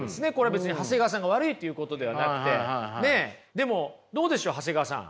でもどうでしょう長谷川さん。